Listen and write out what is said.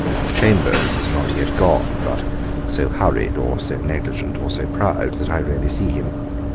'Chambers is not yet gone, but so hurried, or so negligent, or so proud, that I rarely see him.